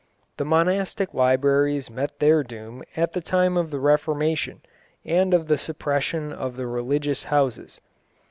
The monastic libraries met their doom at the time of the Reformation and of the suppression of the religious houses.